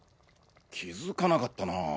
気付かなかったな。